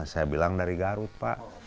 saya bilang dari garut pak